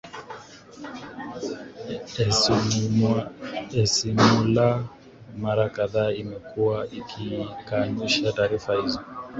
esimulaa mara kadhaa imekuwa ikikanusha taarifa hizo